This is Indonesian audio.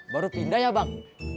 baru pindah ya bang